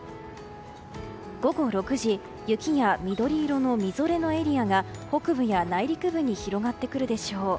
午後６時、雪や緑色のみぞれのエリアが北部や内陸部に広がってくるでしょう。